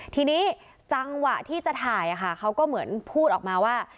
ทีนี้จังหวะที่จะถ่ายเขาก็เหมือนพูดออกมาว่า